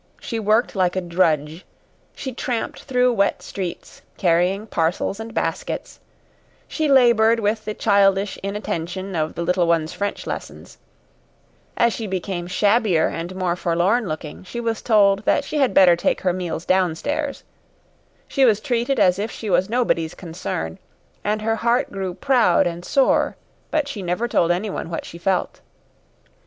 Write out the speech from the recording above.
She worked like a drudge; she tramped through the wet streets, carrying parcels and baskets; she labored with the childish inattention of the little ones' French lessons; as she became shabbier and more forlorn looking, she was told that she had better take her meals downstairs; she was treated as if she was nobody's concern, and her heart grew proud and sore, but she never told anyone what she felt.